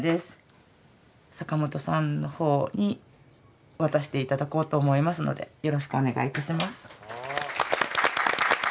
坂本さんの方に渡して頂こうと思いますのでよろしくお願いいたします。